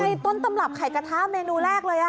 ใช่ต้นตำรับไข่กระทะเมนูแรกเลย